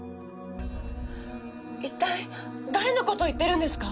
一体誰の事を言ってるんですか？